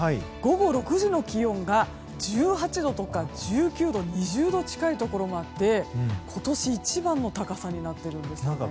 午後６時の気温が１８度とか１９度、２０度近いところもあって今年一番の高さになっているんですね。